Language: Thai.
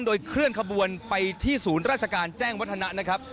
โดยเคลื่อนขบวนไปที่ศูนย์ราชการแจ้งวัฒนะนะครับ